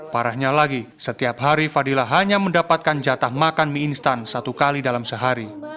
parahnya lagi setiap hari fadila hanya mendapatkan jatah makan mie instan satu kali dalam sehari